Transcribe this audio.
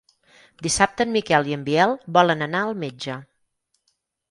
Dissabte en Miquel i en Biel volen anar al metge.